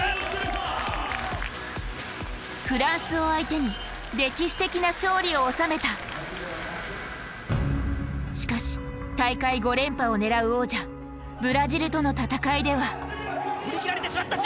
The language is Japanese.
フランスを相手に歴史的な勝利を収めたしかし大会５連覇を狙う王者ブラジルとの戦いでは振り切られてしまった！